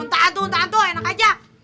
untuk hantu untuk hantu enak aja